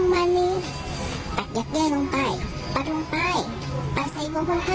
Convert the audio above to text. มือสีที่เขาทำ